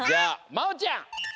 まおちゃん